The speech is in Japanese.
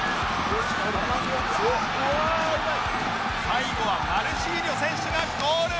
最後はマルシーニョ選手がゴール！